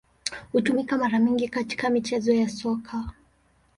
Hutumika mara nyingi katika michezo ya Soka.